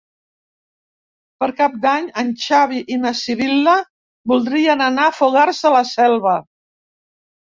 Per Cap d'Any en Xavi i na Sibil·la voldrien anar a Fogars de la Selva.